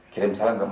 kirim salam ke mamamu